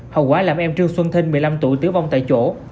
hậu quả làm em trương xuân thinh một mươi năm tuổi tử vong tại chỗ